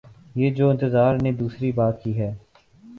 یہ جو انتظار نے دوسری بات کی ہے۔